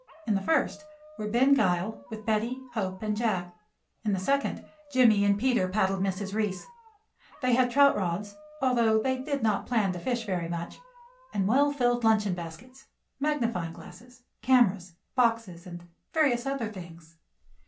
In the first were Ben Gile with Betty, Hope, and Jack. In the second Jimmie and Peter paddled Mrs. Reece. They had trout rods, although they did not plan to fish very much, and well filled luncheon baskets, magnifying glasses, cameras, boxes, and various other things.